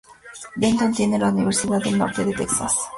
Denton tiene la Universidad del Norte de Texas.